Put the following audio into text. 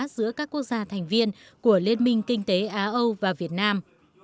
giữa các quốc gia thành viên của liên minh kinh tế á âu và việt nam